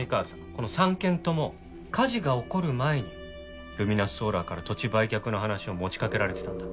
この３軒とも火事が起こる前にルミナスソーラーから土地売却の話を持ちかけられてたんだ。